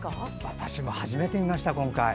私も初めて見ました。